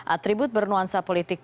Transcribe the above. atribut bernuansa politik